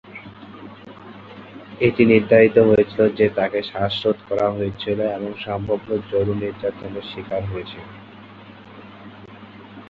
এটি নির্ধারিত হয়েছিল যে তাকে শ্বাসরোধ করা হয়েছিল এবং সম্ভবত যৌন নির্যাতনের শিকার হয়েছিল।